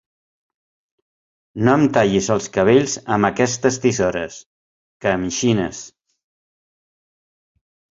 No em tallis els cabells amb aquestes tisores, que em xines.